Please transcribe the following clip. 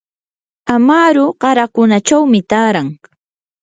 amaru qarakunachawmi taaran.